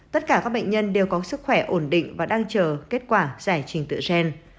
tất cả các bệnh nhân đều có sức khỏe ổn định và đang chờ kết quả giải trình tự gen